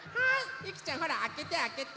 ゆきちゃんほらあけてあけて！